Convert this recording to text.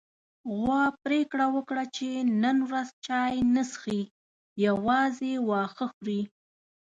غوا پرېکړه وکړه چې نن ورځ چای نه څښي، يوازې واښه خوري.